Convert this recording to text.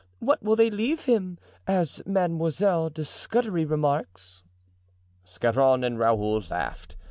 what will they leave him? as Mademoiselle de Scudery remarks." Scarron and Raoul laughed.